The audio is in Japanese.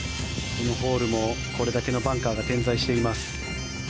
このホールもこれだけのバンカーが点在しています。